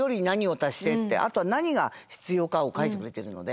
あとは何が必要かを書いてくれているので。